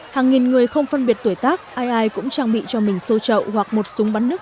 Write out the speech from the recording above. hàng nghìn người không phân biệt tuổi tác ai ai cũng trang bị cho mình sô trậu hoặc một súng bắn nước